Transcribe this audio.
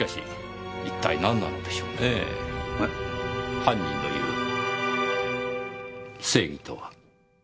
犯人の言う「正義」とは？